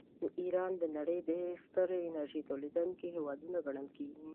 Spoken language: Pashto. ایران د نړۍ د ستر انرژۍ تولیدونکي هېوادونه ګڼل کیږي.